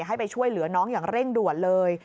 ให้ไปช่วยเหลือน้องอย่างเร่งด่วนเลย